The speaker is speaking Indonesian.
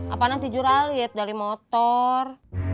apanya tijur alit dari motor